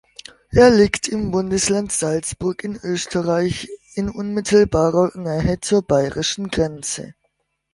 Er liegt im Bundesland Salzburg in Österreich in unmittelbarer Nähe zur bayrischen Grenze.